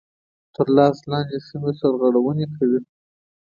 تر لاس لاندي سیمي سرغړوني کوي.